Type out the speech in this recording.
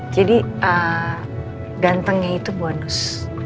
jadi gantengnya itu bonus